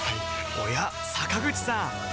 おや坂口さん